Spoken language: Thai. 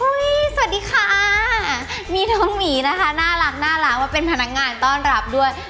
สวัสดีค่ะมีน้องหมีนะคะน่ารักมาเป็นพนักงานต้อนรับด้วย